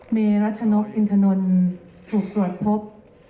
เมรัชนกอินทนนท์ถูกตรวจพบ